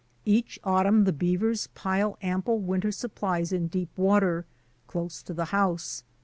Each autumn the beavers pile ample winter supplies in deep water close to the house.